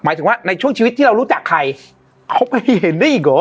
ถึงว่าในช่วงชีวิตที่เรารู้จักใครเขาไปเห็นได้อีกเหรอ